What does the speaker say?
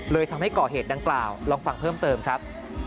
ทำให้ก่อเหตุดังกล่าวลองฟังเพิ่มเติมครับ